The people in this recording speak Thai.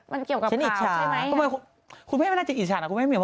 มันเกี่ยวกับคราวใช่ไหมคุณแม่คุณแม่ไม่น่าจะอิจฉันนะคุณแม่เหมียว